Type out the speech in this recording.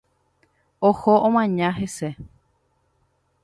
Oho omaña hese.